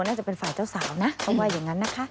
น่าจะเป็นฝ่ายเจ้าสาวนะเขาว่าอย่างนั้นนะคะ